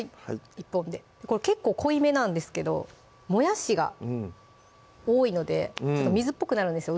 １本でこれ結構濃いめなんですけどもやしが多いので水っぽくなるんですよ